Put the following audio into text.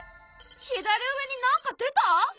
左上に何か出た？